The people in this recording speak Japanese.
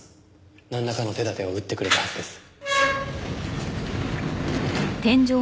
なんらかの手だてを打ってくれるはずです。